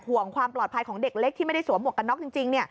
ห่วงความปลอดภัยของเด็กเล็กที่ไม่ได้สวมหวกกันน็อกจริง